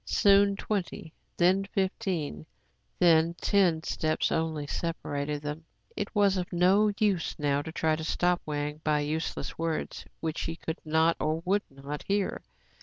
Soon twenty, then fifteen, then ten steps only, separated them. It was of no use now to try to stop Wang by useless words, which he could not or would not hear.